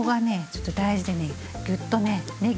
ちょっと大事でねグッとね